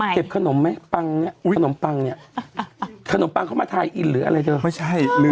เก็บขนมไหมปังเนี่ยขนมปังเขามาทายอินหรืออะไรเถอะ